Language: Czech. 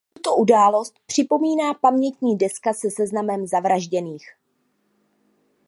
Tuto událost připomíná pamětní deska se seznamem zavražděných.